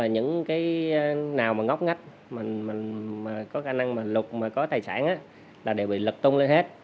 những cái nào mà ngóc ngách mà có khả năng mà lục mà có tài sản á là đều bị lập tung lên hết